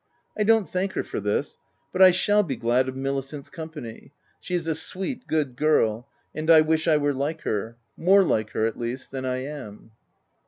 I don't thank her for this ; but I shall be glad of Milicent's company : she is a sweet, good girl, and I wish I were like her — more like her, at least, than I am.